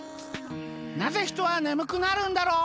なぜ人はねむくなるんだろう？